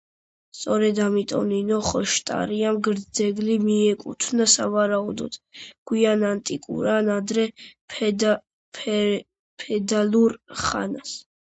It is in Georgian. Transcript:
სწორედ ამიტომ ნინო ხოშტარიამ ძეგლი მიეკუთვნა სავარაუდოდ გვიან ანტიკურ ან ადრე ფეოდალურ ხანას.